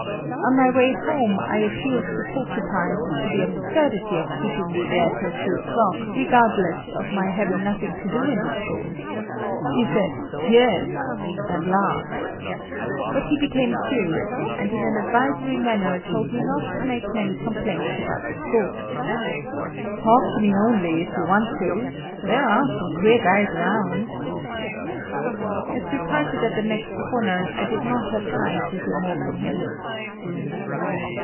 On my way home, I appealed to Porcupine as to the absurdity of keeping me there till three o'clock regardless of my having nothing to do in the school. He said "Yes" and laughed. But he became serious and in an advisory manner told me not to make many complaints about the school. "Talk to me only, if you want to. There are some queer guys around." As we parted at the next corner, I did not have time to hear more from him.